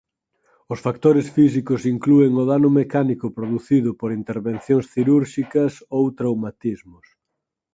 Os factores físicos inclúen o dano mecánico producido por intervencións cirúrxicas ou traumatismos.